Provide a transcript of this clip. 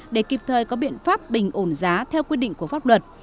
để kịp thời có biện pháp bình ổn giá theo quy định của pháp luật